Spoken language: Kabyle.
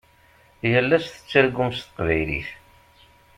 Yal ass tettargum s teqbaylit.